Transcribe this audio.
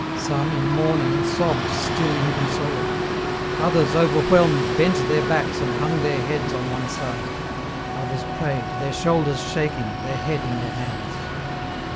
Some in mourning, sobbed still inconsolable ; others, over whelmed, bent their backs and hung their heads on one side ; others prayed, their shoulders shaking, their head in their hands.